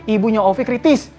ibunya ovi kritis